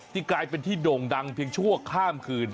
กลายเป็นที่โด่งดังเพียงชั่วข้ามคืน